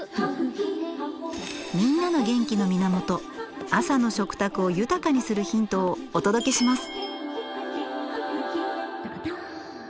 みんなの元気の源朝の食卓を豊かにするヒントをお届けします！